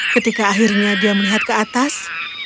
ketika akhirnya dia melihat ke atas